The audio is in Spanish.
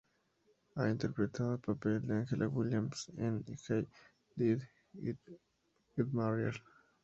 Ha interpretado el papel de Angela Williams en "Why Did I Get Married?